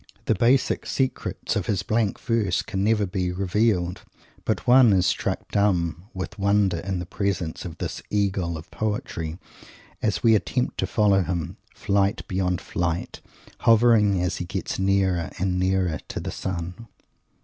The basic secrets of his blank verse can never be revealed, but one is struck dumb with wonder in the presence of this Eagle of Poetry as we attempt to follow him, flight beyond flight, hovering beyond hovering, as he gets nearer and nearer to the Sun.